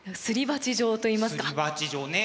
すり鉢状ね